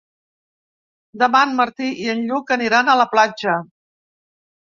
Demà en Martí i en Lluc aniran a la platja.